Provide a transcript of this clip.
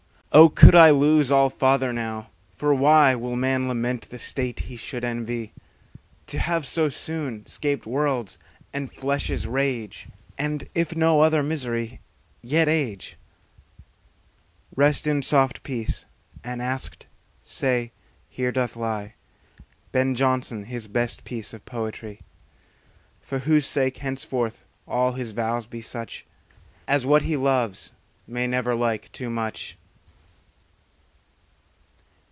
Oh, could I lose all father now ! For why Will man lament the state he should envy? To have so soon 'scaped world's and flesh's rage, And if no other misery, yet age ! Rest in soft peace, and, asked, say, Here doth lie Ben Jonson his best piece of poetry. For whose sake henceforth all his vows be such As what he loves may never like too much.